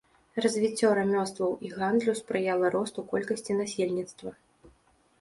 Развіццё рамёстваў і гандлю спрыяла росту колькасці насельніцтва.